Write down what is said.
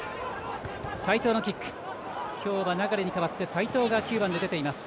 今日は流に代わって齋藤が９番で出ています。